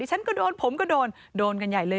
ฉันก็โดนผมก็โดนโดนกันใหญ่เลย